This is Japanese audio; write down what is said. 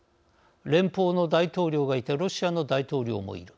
連邦の大統領がいてロシアの大統領もいる。